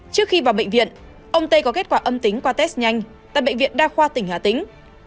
trước khi vào bệnh viện ông tây có kết quả âm tính qua test nhanh tại bệnh viện đa khoa tỉnh hà tĩnh